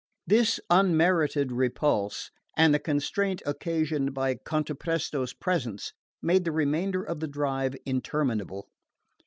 This unmerited repulse, and the constraint occasioned by Cantapresto's presence, made the remainder of the drive interminable.